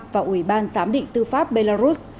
và ủy ban giám định tư pháp belarus